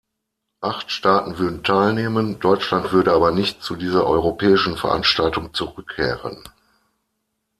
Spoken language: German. Acht Staaten würden teilnehmen, Deutschland würde aber nicht zu dieser europäischen Veranstaltung zurückkehren.